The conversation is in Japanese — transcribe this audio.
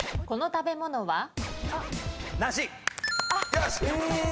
この食べ物は？